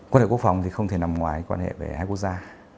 quan hệ quốc phòng thì không thể nằm ngoài quan hệ về hai quốc gia